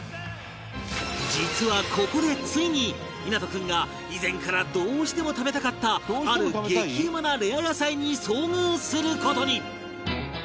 実はここでついに湊君が以前からどうしても食べたかったある激うまなレア野菜に遭遇する事に！